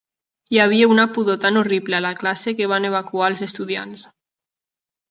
Hi havia una pudor tan horrible a la classe que van evacuar als estudiants.